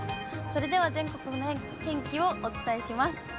それでは全国の天気をお伝えします。